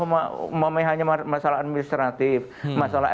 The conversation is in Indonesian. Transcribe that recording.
hanya masalah administratif masalah